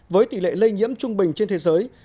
với tỷ lệ lây nhiễm trung bình trên thế giới